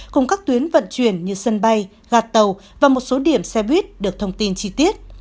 cùng các tuyến vận chuyển như sân bay gạt tàu và một số điểm xe buýt được thông tin chi tiết